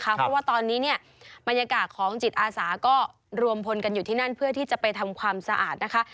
เพราะว่าตอนนี้เนี่ยบรรยากาศของจิตอาสาก็รวมพลกันอยู่ที่นั่นเพื่อที่จะไปทำความสะอาดนะคะ